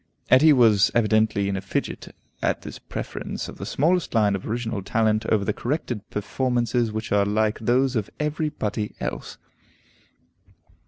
Etty was evidently in a fidget at this preference of the smallest line of original talent over the corrected performances which are like those of every body else.